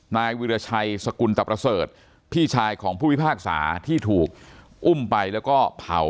นายวิราชัยสกุลตะประเสริฐพี่ชายของผู้พิพากษาที่ถูกอุ้มไปแล้วก็เผา